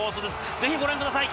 ぜひご覧ください！